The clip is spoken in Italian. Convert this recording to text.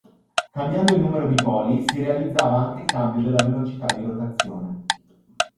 Cambiando il numero di poli si realizzava anche il cambio della velocità di rotazione.